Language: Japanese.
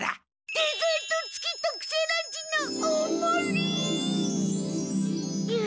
デザートつき特製ランチの大もり？ジュル。